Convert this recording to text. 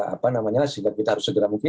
apa namanya sikap kita harus segera mungkin